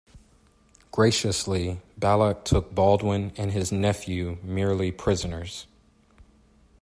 Graciously, Balac took Baldwin and his nephew merely prisoners.